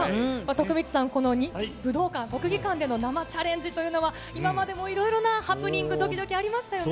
徳光さん、この武道館、国技館での生チャレンジというのは、今までもいろいろなハプニング、どきどきありましたよね。